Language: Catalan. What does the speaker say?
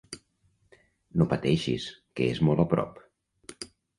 No pateixis, que és molt a prop.